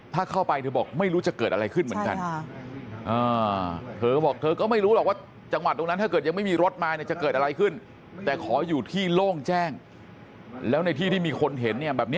ถ้าเข้าไปเธอบอกไม่รู้จะเกิดอะไรขึ้นเหมือนกัน